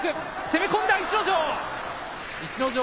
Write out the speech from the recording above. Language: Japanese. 攻め込んだ、逸ノ城。